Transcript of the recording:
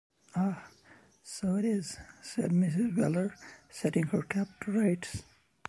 ‘Ah, so it is,’ said Mrs. Weller, setting her cap to rights.